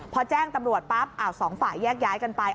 พอแจ้งตำรวจปั๊บสองฝ่ายแยกย้ายกันไป